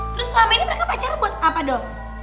terus selama ini mereka pacar buat apa dong